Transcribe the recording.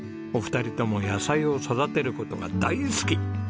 お二人とも野菜を育てる事が大好き。